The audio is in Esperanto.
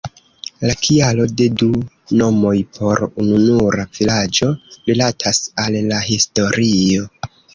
La kialo de du nomoj por ununura vilaĝo rilatas al la historio.